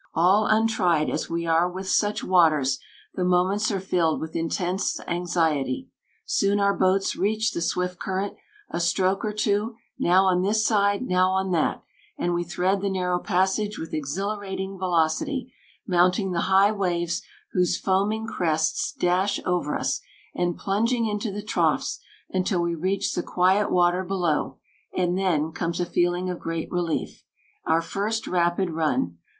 All untried as we are with such waters, the moments are filled with intense anxiety. Soon our boats reach the swift current; a stroke or two, now on this side, now on that, and we thread the narrow passage with exhilarating velocity, mounting the high waves, whose foaming crests dash over us, and plunging into the troughs, until we reach the quiet water below; and then comes a feeling of great relief. Our first rapid run.